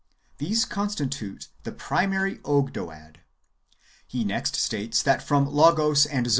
These constitute the primary Ogdoad. He next states that from Logos and Zoe ten ^ Isa.